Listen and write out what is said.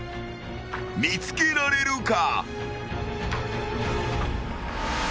［見つけられるか？］